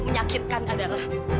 jangan cuti perut